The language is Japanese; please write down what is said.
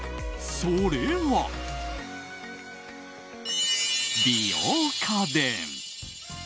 それは、美容家電。